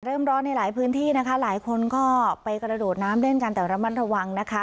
ร้อนในหลายพื้นที่นะคะหลายคนก็ไปกระโดดน้ำเล่นกันแต่ระมัดระวังนะคะ